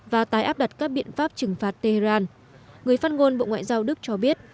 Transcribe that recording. và tái áp đặt các biện pháp trừng phạt tehran người phát ngôn bộ ngoại giao đức cho biết